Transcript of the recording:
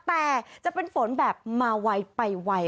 แต่จะเป็นฝนแบบมาไวไปไว